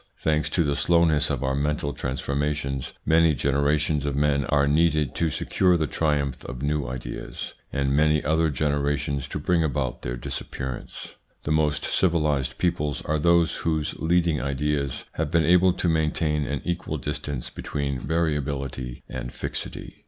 Thanks to the slowness of our mental transformations many generations of men are needed to secure the triumph of new ideas, and many other generations to bring about their disappearance. The most civilised peoples are those whose leading ideas have been able to maintain an equal distance between variability and fixity.